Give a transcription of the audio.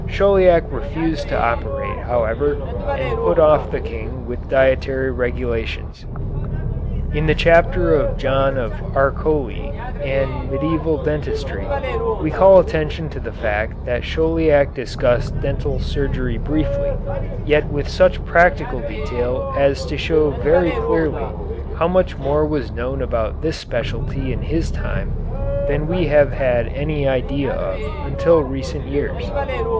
Chauliac refused to operate, however, and put off the King with dietary regulations. In the chapter on John of Arcoli and Medieval Dentistry we call attention to the fact that Chauliac discussed dental surgery briefly, yet with such practical detail as to show very clearly how much more was known about this specialty in his time than we have had any idea of until recent years.